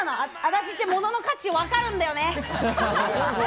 私ってモノの価値、分かるんだよね。